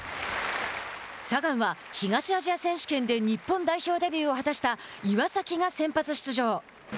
サガンは東アジア選手権で日本代表デビューを果たした岩崎が先発出場。